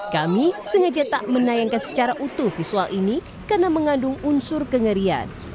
kami sengaja tak menayangkan secara utuh visual ini karena mengandung unsur kengerian